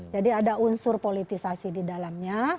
jadi ada unsur politisasi di dalamnya